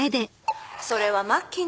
それは末期ね。